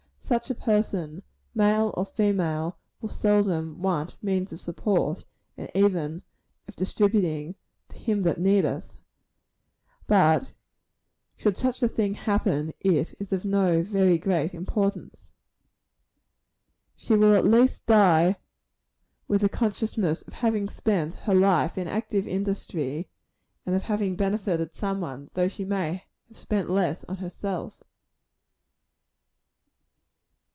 Such a person, male or female, will seldom want means of support, and even of distributing "to him that needeth;" but should such a thing happen, it is of no very great importance. She will at least die with the consciousness of having spent her life in active industry, and of having benefited somebody, though she may have spent less on herself.